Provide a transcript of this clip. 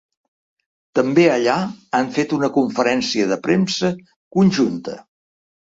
També allà han fet una conferència de premsa conjunta.